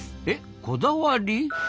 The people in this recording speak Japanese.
えこだわり？